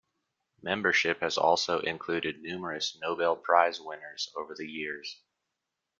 Membership has also included numerous Nobel Prize winners over the years.